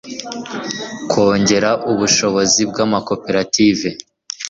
kwongera ubushobozi bw'amakoperative